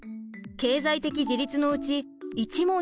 経済的自立のうち１問に×が。